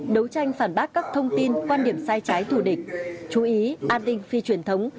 đấu tranh phản bác các thông tin quan điểm sai trái thù địch chú ý an ninh phi truyền thống